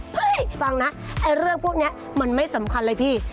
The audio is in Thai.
ฟังนะไอ้เรื่องพวกนี้มันไม่สำคัญเลยพี่